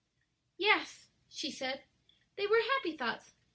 "Yes," she said, "they were happy thoughts.